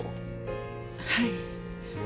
はい。